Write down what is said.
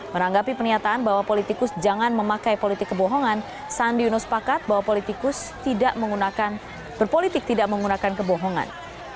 meranggapi penyataan bahwa politikus jangan memakai politik kebohongan sandi uno sepakat bahwa politikus berpolitik tidak menggunakan kebohongan